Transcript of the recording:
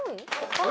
あれ？